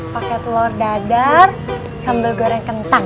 pakai telur dadar sambal goreng kentang